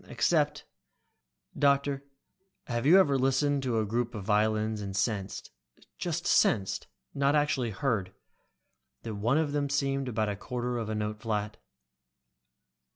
Except "Doctor, have you ever listened to a group of violins and sensed, just sensed, not actually heard, that one of them seemed about a quarter of a note flat?"